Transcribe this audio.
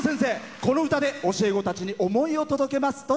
この歌で教え子たちに思いを届けます。